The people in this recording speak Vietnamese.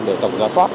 để tổng giả soát